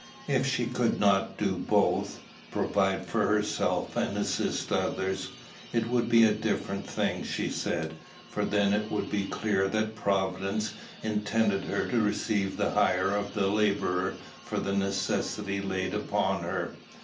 If she could not do both, provide for herself and assist others, it would be a different thing, she said; for then it would be clear that Providence intended her to receive the hire of the laborer for the necessity laid upon her.